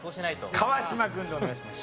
川島君でお願いします。